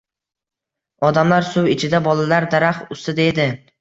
Odamlar suv ichida, bolalar daraxt ustida edi